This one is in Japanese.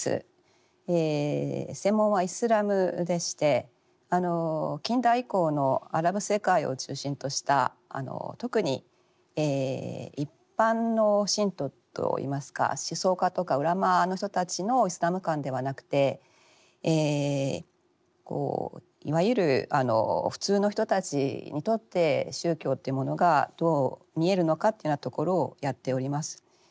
専門はイスラムでして近代以降のアラブ世界を中心とした特に一般の信徒と言いますか思想家とかウラマーの人たちのイスラム観ではなくていわゆる普通の人たちにとって宗教というものがどう見えるのかというようなところをやっております。